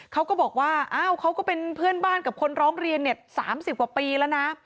เขาก็บอกว่าอ้าวเขาก็เป็นเพื่อนบ้านกับคนร้องเรียนเนี่ย๓๐กว่าปีแล้วนะ